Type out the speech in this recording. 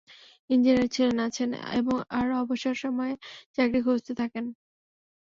Engineer ছিলেন, আছেন, আর অবসর সময়ে চাকরি খুঁজতে থাকেন।